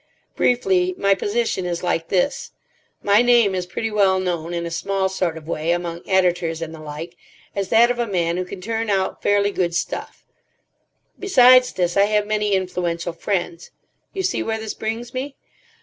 Briefly, my position is like this. My name is pretty well known in a small sort of way among editors and the like as that of a man who can turn out fairly good stuff. Besides this, I have many influential friends. You see where this brings me?